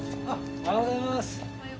おはようございます。